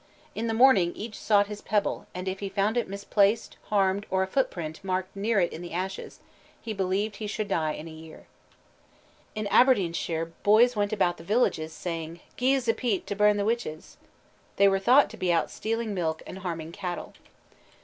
In the morning each sought his pebble, and if he found it misplaced, harmed, or a footprint marked near it in the ashes, he believed he should die in a year. In Aberdeenshire boys went about the villages saying: "Ge's a peat t' burn the witches." They were thought to be out stealing milk and harming cattle.